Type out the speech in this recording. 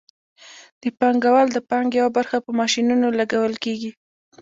د پانګوال د پانګې یوه برخه په ماشینونو لګول کېږي